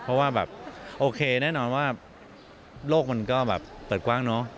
เพราะว่าแบบโอเคแน่นอนว่าโลกมันก็แบบเปิดกว้างเนอะ